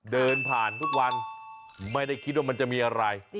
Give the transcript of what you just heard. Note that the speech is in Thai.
เดินผ่านทุกวันไม่ได้คิดว่ามันจะมีอะไร